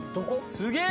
すげえ！